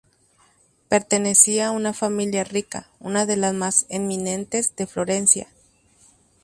Pertenecía a una familia rica, una de las más eminentes de Florencia.